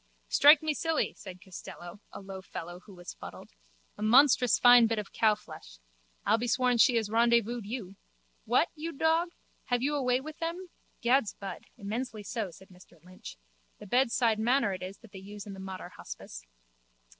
Strike me silly, said Costello, a low fellow who was fuddled. A monstrous fine bit of cowflesh! I'll be sworn she has rendezvoused you. What, you dog? Have you a way with them? Gad's bud, immensely so, said Mr Lynch. The bedside manner it is that they use in the Mater hospice.